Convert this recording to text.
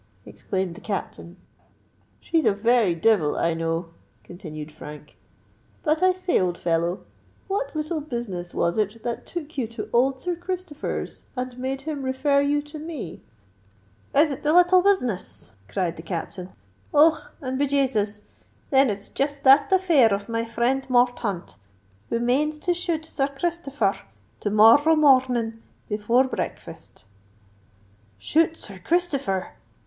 exclaimed the Captain. "She's a very devil, I know," continued Frank. "But, I say, old fellow—what little business was it that took you to old Sir Christopher's, and made him refer you to me?" "Is it the little business?" cried the Captain. "Och? and be Jasus! then, it's jist that affair of my friend Morthaunt, who manes to shoot Sir Christopher r to mor r row mor r r ning before breakfast." "Shoot Sir Christopher!"